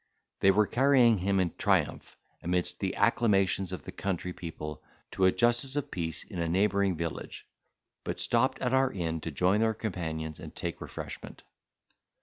They were carrying him in triumph, amidst the acclamations of the country people, to a justice of peace in a neighbouring village, but stopped at our inn to join their companions and take refreshment.